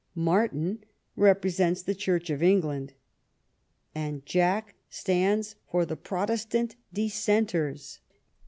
Martin represents the Church of England, and Jack stands for the Protes tant Dissenters.